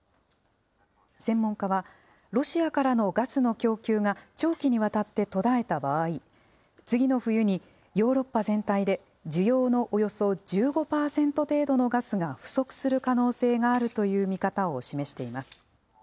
専門家はロシアからのガスの供給が長期にわたって途絶えた場合、次の冬にヨーロッパ全体で需要のおよそ１５％程度のガスが不足する可能性があるという見方を示しています。